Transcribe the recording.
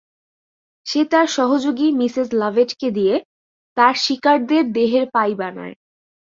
সে তার সহযোগী মিসেস লাভেট-কে দিয়ে তার শিকারদের দেহের পাই বানায়।